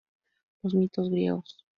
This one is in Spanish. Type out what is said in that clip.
Los Mitos Griegos.